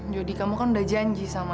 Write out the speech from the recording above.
kamu kan udah janji sama